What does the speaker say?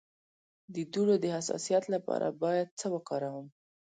د دوړو د حساسیت لپاره باید څه وکاروم؟